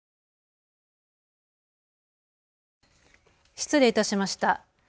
失礼いたしました。